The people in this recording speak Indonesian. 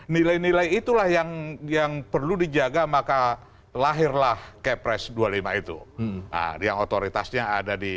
nilai nilai itulah yang yang perlu dijaga maka lahirlah kepres dua puluh lima itu yang otoritasnya ada di